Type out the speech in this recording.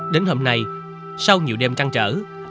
đến hôm nay sau nhiều đêm trăng trở